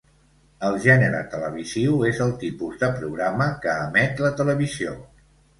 El gènere televisiu és el tipus de programa que emet la televisió.